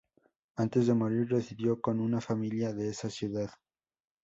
Antes de morir residió con una familia de esa ciudad.